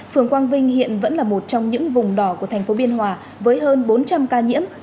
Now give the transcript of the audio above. phường quang vinh hiện vẫn là một trong những vùng đỏ của thành phố biên hòa với hơn bốn trăm linh ca nhiễm